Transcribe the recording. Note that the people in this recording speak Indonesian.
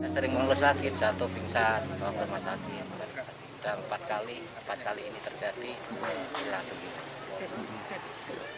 sering mengeluh sakit satu pingsan empat kali ini terjadi